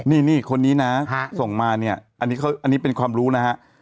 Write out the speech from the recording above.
นี่นี่คนนี้น่ะฮะส่งมาเนี้ยอันนี้เขาอันนี้เป็นความรู้นะฮะ